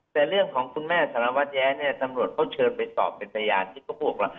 แต่เรื่องของคุณแม่สารวัตรแย้เนี่ยตำรวจเขาเชิญไปสอบเป็นพยานที่เขาบอกว่า